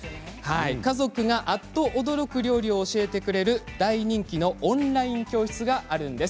家族があっと驚く料理を教えてくれる大人気のオンライン教室があるんです。